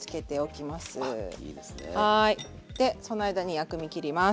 はいでその間に薬味切ります。